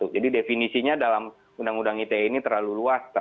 jadi definisinya dalam undang undang ite ini terlalu luas